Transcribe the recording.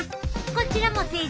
こちらも正常。